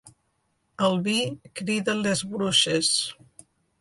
El vi crida les bruixes.